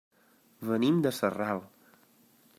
Venim de Sarral.